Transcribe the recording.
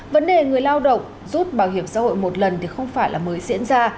vấn đề người lao động rút bảo hiểm xã hội một lần không phải mới diễn ra